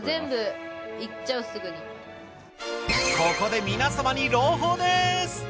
ここで皆様に朗報です。